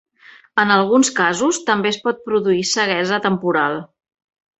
En alguns casos també es pot produir ceguesa temporal.